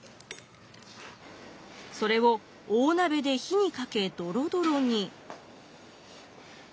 それを大鍋で火にかけドロドロに。